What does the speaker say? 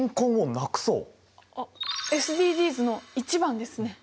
あっＳＤＧｓの１番ですね！